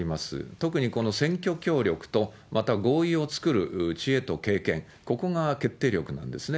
特にこの選挙協力と、また合意を作る知恵と経済、ここが決定力なんですね。